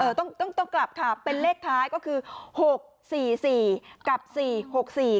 ต้องต้องต้องกลับค่ะเป็นเลขท้ายก็คือหกสี่สี่กับสี่หกสี่